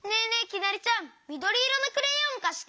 きなりちゃんみどりいろのクレヨンかして！